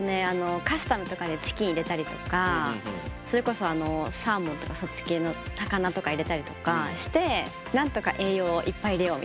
あのカスタムとかでチキン入れたりとかそれこそあのサーモンとかそっち系の魚とか入れたりとかしてなんとか翼くんやっぱり。